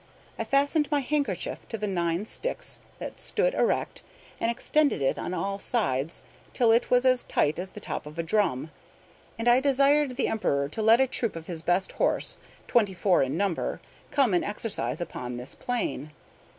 I fastened my handkerchief to the nine sticks that stood erect, and extended it on all sides till it was as tight as the top of a drum; and I desired the Emperor to let a troop of his best horse, twenty four in number, come and exercise upon this plain.